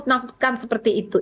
menakutkan seperti itu